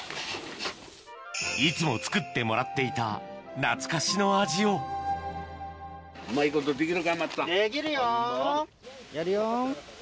いつも作ってもらっていた懐かしの味をやるよん。